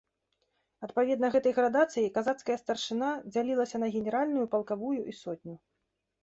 Адпаведна гэтай градацыі, казацкая старшына дзялілася на генеральную, палкавую і сотню.